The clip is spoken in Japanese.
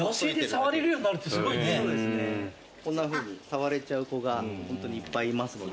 こんなふうに触れちゃう子がホントにいっぱいいますので。